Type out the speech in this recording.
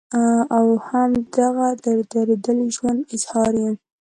او هم د دغه درديدلي ژوند اظهار ئې